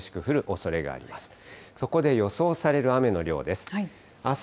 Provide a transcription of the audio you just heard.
そこで予想される雨の量です。